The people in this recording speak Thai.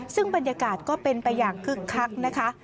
ซึ่งบรรยากาศก็เป็นไปอย่างคึกคักนะคะ